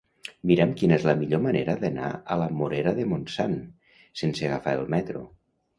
Mira'm quina és la millor manera d'anar a la Morera de Montsant sense agafar el metro.